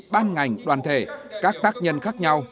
ban ngành đoàn thể các tác nhân khác nhau